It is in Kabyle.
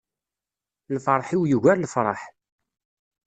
Lferḥ-iw yugar lefraḥ.